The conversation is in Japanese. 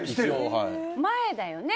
前だよね。